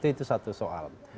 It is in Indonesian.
itu satu soal